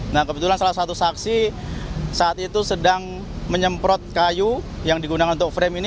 nah kebetulan salah satu saksi saat itu sedang menyemprot kayu yang digunakan untuk frame ini